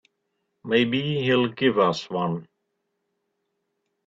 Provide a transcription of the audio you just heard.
Maybe he'll give us one.